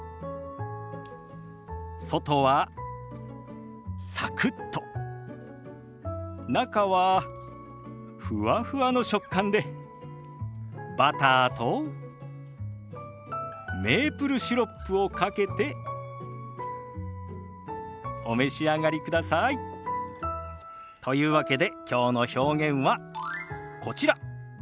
外はサクッと中はふわふわの食感でバターとメープルシロップをかけてお召し上がりください。というわけできょうの表現はこちら。